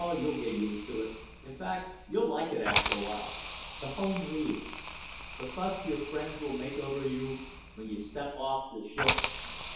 "Oh, you'll get used to it. In fact, you'll like it after a while. The home leaves. The fuss your friends will make over you when you step off the ship.